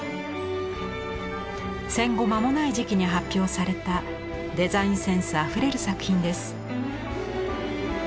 戦後間もない時期に発表されたデザインセンスあふれる作品です。